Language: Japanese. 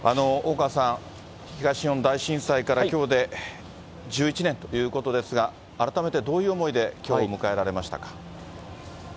大川さん、東日本大震災からきょうで１１年ということですが、改めて、どういう思いできょうを迎えられましたか。